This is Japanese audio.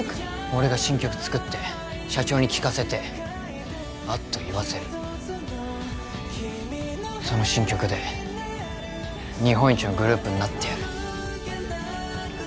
俺が新曲作って社長に聴かせてあっといわせるその新曲で日本一のグループになってやる・